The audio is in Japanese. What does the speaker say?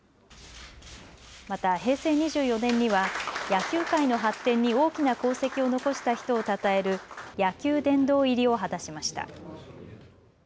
また平成２４年には野球界の発展に大きな功績を残した人をたたえる野球殿堂入りを果たしました。